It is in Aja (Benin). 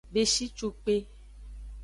Beshicukpe.